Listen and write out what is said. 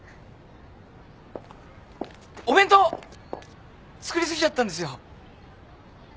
お弁当作り過ぎちゃったんですよ。